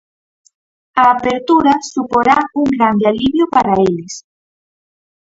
A apertura suporá un grande alivio para eles.